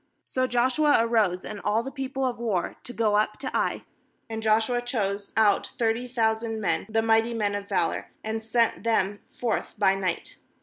3So Joshua arose, and all the people of war, to go up to Ai; and Joshua chose out thirty thousand men, the mighty men of valour, and sent them forth by night.